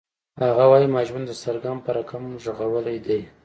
هغه وایی ما ژوند د سرګم په رقم غږولی دی